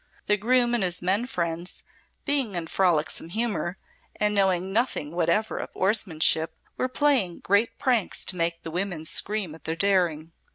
The groom and his men friends, being in frolicsome humour and knowing nothing whatever of oarsmanship, were playing great pranks to make the women scream at their daring.